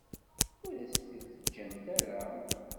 Ur as-t-id-ǧǧant ara.